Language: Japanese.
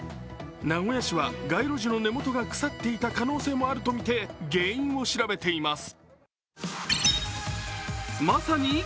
名古屋市は街路樹の根元が腐っていた可能性もあるとみて原因を調べています。